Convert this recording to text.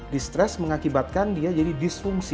distress mengakibatkan dia jadi disfungsi